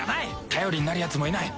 頼りになるやつもいない。